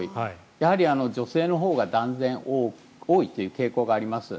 やはり女性のほうが断然多いという傾向があります。